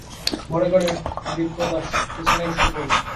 ঘরে গিয়ে বিপ্রদাস বিছানায় শুয়ে পড়ল।